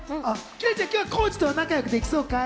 今日は浩次とは仲良くできそうかい？